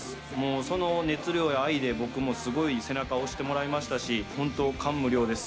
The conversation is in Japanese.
その熱量や愛で僕もすごい背中を押してもらいましたし本当感無量です。